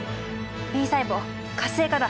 Ｂ細胞活性化だ。